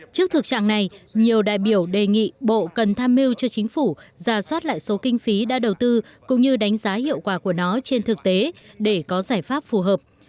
trước thực trạng này nhiều đại biểu đề nghị bộ cần tham mưu cho chính phủ ra soát lại số kinh phí đã đầu tư cũng như đánh giá hiệu quả của nó trên thực tế để có giải pháp phù hợp